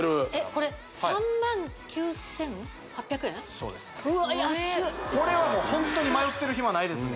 これそうですうわっこれはもうホントに迷ってる暇ないですね